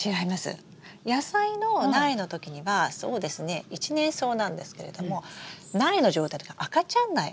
野菜の苗の時にはそうですね一年草なんですけれども苗の状態の時は赤ちゃん苗。